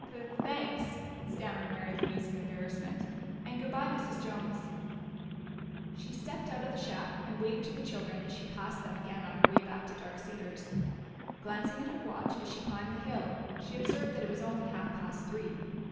"Thanks," stammered Mary Louise in embarrassment.... "And good bye, Mrs. Jones." She stepped out of the shack and waved to the children as she passed them again on her way back to Dark Cedars. Glancing at her watch as she climbed the hill, she observed that it was only half past three.